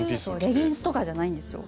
レギンスとかじゃないんですよ。